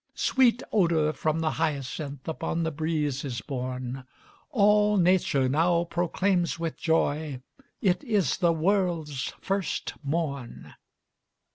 Sweet odor from the hyacinth Upon the breeze is borne; All nature now proclaims with joy, "It is the world's first morn!"